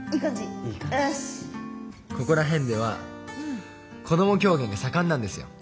ここら辺ではこども狂言が盛んなんですよ。